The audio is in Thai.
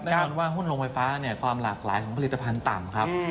ว่าหุ้นลงไฟฟ้าความหลากหลายของผลิตภัณฑ์ต่ำครับ